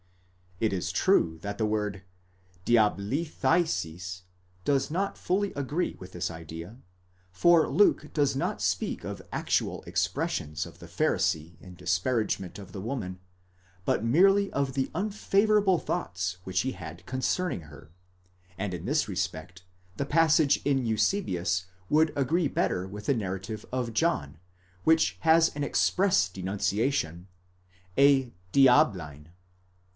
It is true that the word διαβληθείσης does not fully agree with this idea, for Luke does not speak of actual expressions of the Pharisee in disparagement of the woman, but merely of the unfavourable thoughts which he had concerning her; and in this respect the passage in Eusebius would agree better with the narrative of John, which has an express denunciation, a διαβάλλειν.